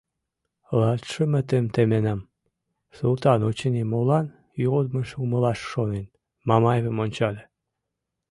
— Латшымытым теменам, — Султан, очыни, молан йодмыжым умылаш шонен, Мамаевым ончале.